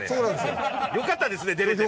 よかったです。